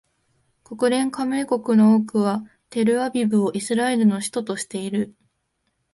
国連加盟国の多くはテルアビブをイスラエルの首都としている